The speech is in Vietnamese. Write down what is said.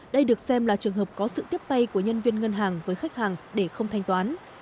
đây được xem là trường hợp có sự tiếp tay của nhân viên ngân hàng với khách hàng để không thanh toán